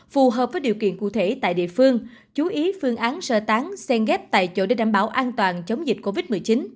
phù hợp với điều kiện cụ thể tại địa phương chú ý phương án sơ tán sen ghép tại chỗ để đảm bảo an toàn chống dịch covid một mươi chín